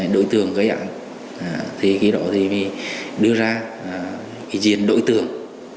đội tưởng gây án thì cái đội tưởng đưa ra cái diện đội tưởng